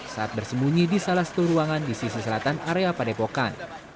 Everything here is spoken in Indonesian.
saat bersembunyi di salah satu ruangan di sisi selatan area padepokan